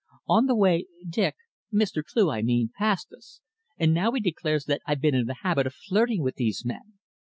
"On the way, Dick Mr. Cleugh, I mean passed us, and now he declares that I've been in the habit of flirting with these men.